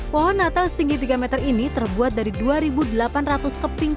pohon natal setinggi tiga meter ini terbuat dari dua delapan ratus keping